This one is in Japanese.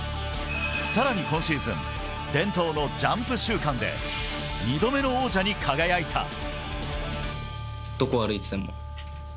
さらに今シーズン、伝統のジャンプ週間で２度目の王者に輝いた。